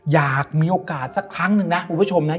อยากมีโอกาสสักครั้งหนึ่งนะคุณผู้ชมนะ